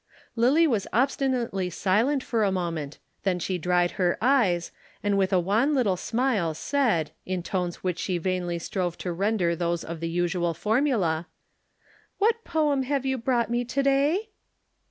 Lillie was obstinately silent for a moment, then she dried her eyes, and with a wan little smile said, in tones which she vainly strove to render those of the usual formula: "What poem have you brought me to day?"